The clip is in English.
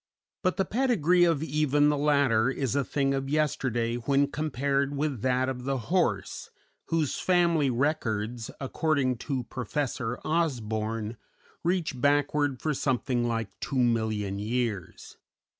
But the pedigree of even the latter is a thing of yesterday when compared with that of the horse, whose family records, according to Professor Osborn, reach backward for something like 2,000,000 years.